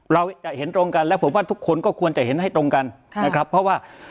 เราจะเห็นตรงกันและผมว่าทุกคนก็ควรจะเห็นให้ตรงกันนะครับเพราะว่า